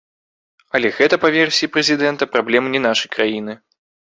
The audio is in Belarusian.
Але гэта, па версіі прэзідэнта, праблемы не нашай краіны.